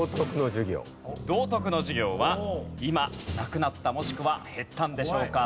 道徳の授業は今なくなったもしくは減ったんでしょうか？